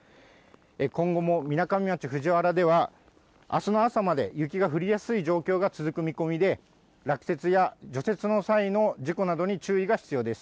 今後もみなかみ町藤原では、あすの朝まで雪が降りやすい状況が続く見込みで、落雪や除雪の際の事故などに注意が必要です。